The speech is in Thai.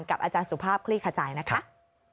กับอาจารย์สุภาพคลี่ขาจัยนะครับ